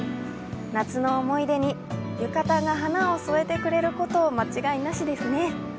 夏の思い出に浴衣が華を添えてくれること間違いなしですね。